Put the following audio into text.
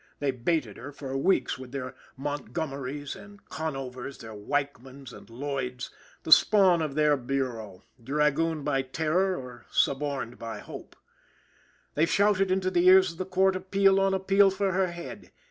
They baited her for weeks with their Montgomerys and Conovers, their Weichmans and Lloyds, the spawn of their bureau, dragooned by terror or suborned by hope. They shouted into the ears of the court appeal on appeal for her head.